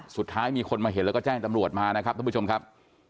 สุดท้ายมีคนมาเห็นแล้วก็แจ้งตำรวจมานะครับท่านผู้ชมครับ